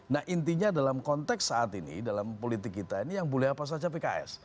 nah intinya dalam konteks saat ini dalam politik kita ini yang boleh apa saja pks